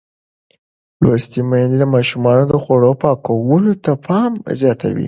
لوستې میندې د ماشومانو د خوړو پاکولو ته پام زیاتوي.